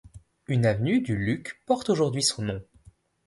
Une avenue du Luc porte aujourd'hui son nom.